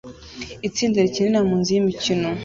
Itsinda rikinira mu nzu yimikino